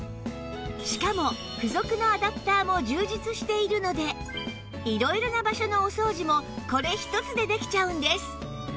しかも付属のアダプターも充実しているので色々な場所のお掃除もこれ一つでできちゃうんです